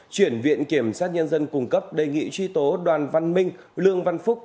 chuyển viện kiểm sát nhân dân cung cấp đề nghị truy tố đoàn văn minh lương văn phúc